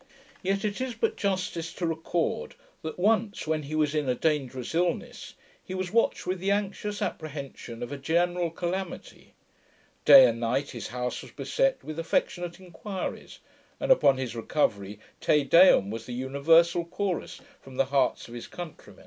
Yet it is but justice to record, that once, when he was in a dangerous illness, he was watched with the anxious apprehension of a general calamity; day and night his house was beset with affectionate inquiries; and, upon his recovery, Te deum was the universal chorus from the hearts of his countrymen.